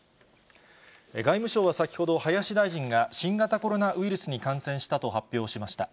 外務省は先ほど、林大臣が新型コロナウイルスに感染したと発表しました。